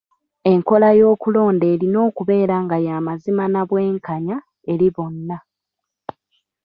Enkola y'okulonda erina okubeera nga y'amazima na bwenkanya eri bonna.